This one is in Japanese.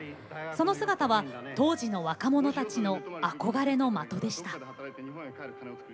その姿は当時の若者たちの憧れの的でした。